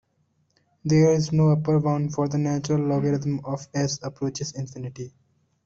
There is no upper bound for the natural logarithm of as approaches infinity.